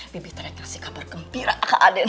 bibi ternyata kasih kabar gembira ke aden